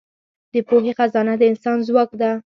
د پوهې خزانه د انسان ځواک ده.